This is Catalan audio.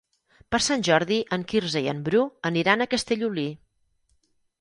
Per Sant Jordi en Quirze i en Bru aniran a Castellolí.